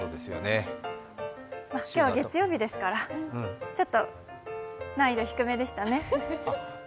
今日は月曜日ですからちょっと難易度低めでしたね。